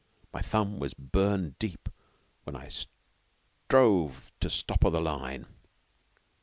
My thumb was burned deep when I strove to stopper the line.